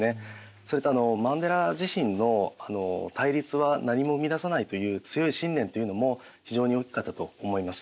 それとあのマンデラ自身の対立は何も生み出さないという強い信念というのも非常に大きかったと思います。